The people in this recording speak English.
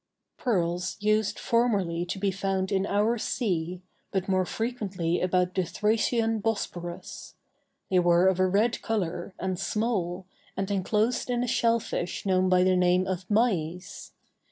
Pearls used formerly to be found in our sea, but more frequently about the Thracian Bosporus; they were of a red color, and small, and enclosed in a shell fish known by the name of "myes."